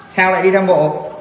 sao lại đi thăm bộ